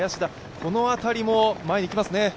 この辺りも前にいきますね。